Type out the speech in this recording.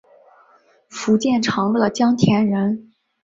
福建长乐江田人。